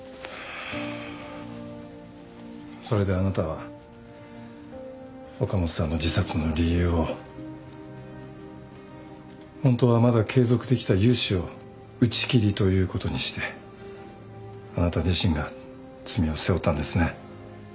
それであなたは岡本さんの自殺の理由をホントはまだ継続できた融資を打ち切りということにしてあなた自身が罪を背負ったんですね。